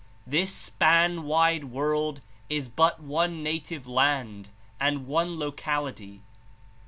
This span wide world is but one native land and one local ity.